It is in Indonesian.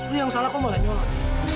lu yang salah kok malah nyolong